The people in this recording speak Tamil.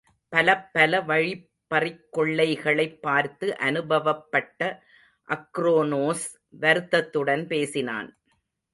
பலப்பல வழிப்பறிக் கொள்ளைகளைப் பார்த்து அனுபவப்பட்ட அக்ரோனோஸ் வருத்தத்துடன் பேசினான்.